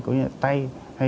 có nghĩa là tay